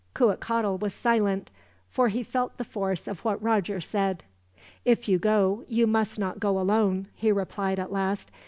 Cuitcatl was silent, for he felt the force of what Roger said. "If you go, you must not go alone," he replied at last.